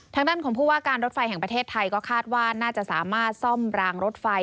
ทางด้านของผู้ว่าการรถไฟแห่งประเทศไทยก็คาดว่าน่าจะสามารถซ่อมรางรถไฟ